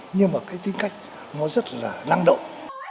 nhưng mà cái tính cách nó rất là năng động